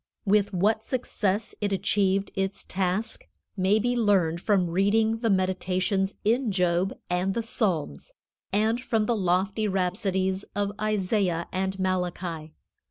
With what success it achieved its task may be learned from reading the meditations in Job and the Psalms, and from the lofty rhapsodies of Isaiah and Malachi.